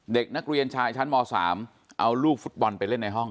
เด็กนักเรียนชายชั้นม๓เอาลูกฟุตบอลไปเล่นในห้อง